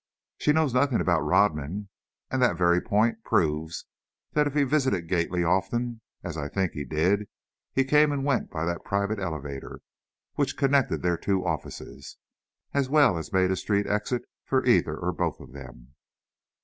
"She knows nothing about Rodman. And that very point proves that if he visited Gately often, as I think he did, he came and went by that private elevator which connected their two offices, as well as made a street exit for either or both of them."